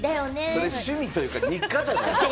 それ趣味というか日課じゃないの？